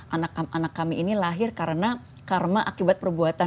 anak anak kami ini lahir karena karma akibat perbuatan